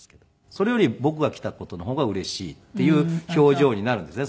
それより僕が来た事の方がうれしいっていう表情になるんですね。